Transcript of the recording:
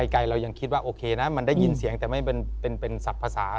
ไกลเรายังคิดว่าโอเคนะมันได้ยินเสียงแต่ไม่เป็นสรรพภาษา